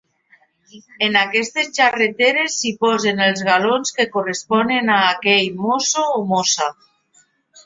En aquestes xarreteres s'hi posen els galons que corresponen a aquell mosso o mossa.